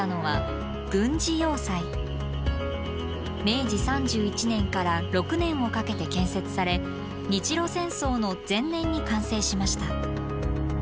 明治３１年から６年をかけて建設され日露戦争の前年に完成しました。